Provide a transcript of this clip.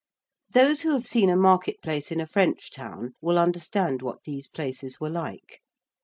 Those who have seen a market place in a French town will understand what these places were like.